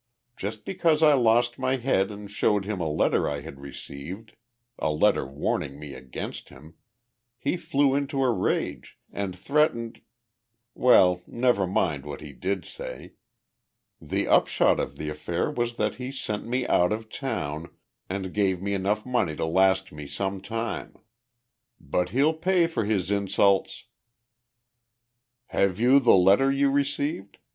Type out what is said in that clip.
Just because I lost my head and showed him a letter I had received a letter warning me against him he flew into a rage and threatened.... Well, never mind what he did say. The upshot of the affair was that he sent me out of town and gave me enough money to last me some time. But he'll pay for his insults!" "Have you the letter you received?"